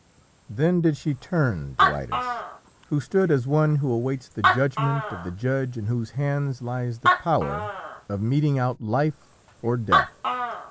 Then did she turn to Idas, who stood as one who awaits the judgment of the judge in whose hands lies the power of meting out life or death.